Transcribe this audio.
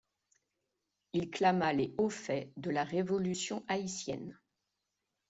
Il clama les hauts faits de la Révolution haïtienne.